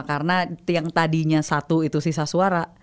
karena yang tadinya satu itu sisa suara